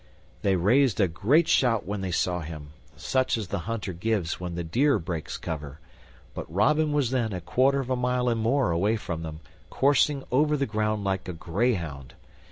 They raised a great shout when they saw him, such as the hunter gives when the deer breaks cover, but Robin was then a quarter of a mile and more away from them, coursing over the ground like a greyhound.